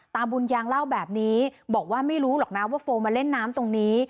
บุญยางเล่าแบบนี้บอกว่าไม่รู้หรอกนะว่าโฟลมาเล่นน้ำตรงนี้